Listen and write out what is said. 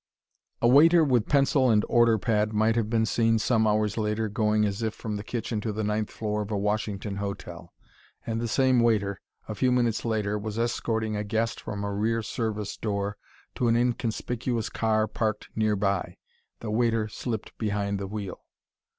A waiter with pencil and order pad might have been seen some hours later going as if from the kitchen to the ninth floor of a Washington hotel. And the same waiter, a few minutes later, was escorting a guest from a rear service door to an inconspicuous car parked nearby. The waiter slipped behind the wheel.